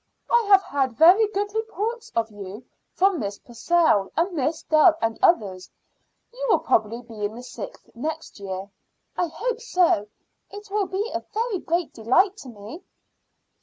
"I have had very good reports of you from Miss Purcell and Miss Dove and others; you will probably be in the sixth next year." "I hope so; it will be a very great delight to me."